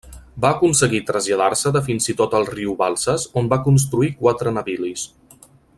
Va aconseguir traslladar-se fins i tot el riu Balsas on va construir quatre navilis.